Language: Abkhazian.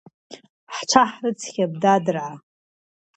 Ҳҽаҳрыцқьап, дадраа!